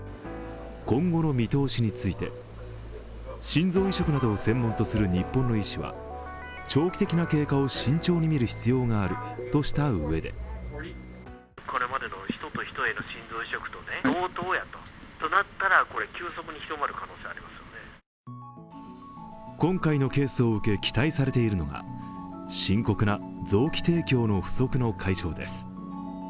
今後の見通しについて心臓移植などを専門とする日本の医師は長期的な経過を慎重に見る必要があるとしたうえで今回のケースを受け、期待されているのが深刻な臓器提供の不足の解消です。